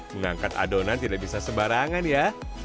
mengangkat adonan tidak bisa sembarangan ya